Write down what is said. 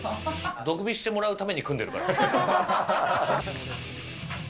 毒味してもらうために組んでるから。